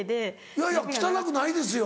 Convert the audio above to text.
いやいや汚くないですよ。